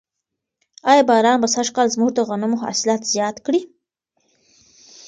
آیا باران به سږکال زموږ د غنمو حاصلات زیات کړي؟